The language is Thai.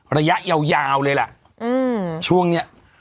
ระยะยาวเลยล่ะช่วงนี้